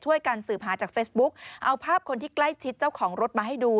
การสืบหาจากเฟซบุ๊กเอาภาพคนที่ใกล้ชิดเจ้าของรถมาให้ดู